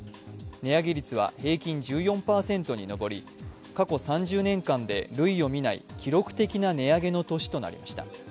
値上げ率は平均１４％に上り過去３０年間で類をみない記録的な値上げの年となりました。